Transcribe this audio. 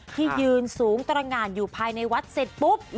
ที่ยืนสูงตรงานอยู่ภายในวัดเสร็จปุ๊บ